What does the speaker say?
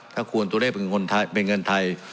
ถ้าควรตัวเลขเป็นเงินไทย